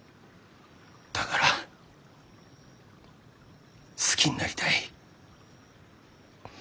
だから好きになりたい。